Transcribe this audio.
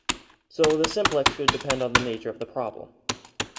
So this simplex should depend on the nature of the problem.